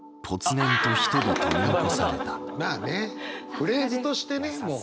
フレーズとしてねもう。